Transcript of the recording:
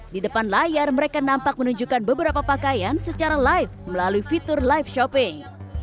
di depan layar mereka nampak menunjukkan beberapa pakaian secara live melalui fitur live shopping